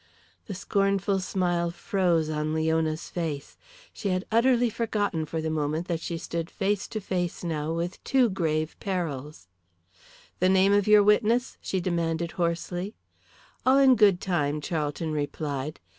The scornful smile froze on Leona's face. She had utterly forgotten for the moment that she stood face to face now with two grave perils. "The name of your witness?" she demanded, hoarsely. "All in good time," Charlton replied.